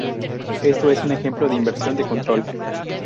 Esto es un ejemplo de inversión de control.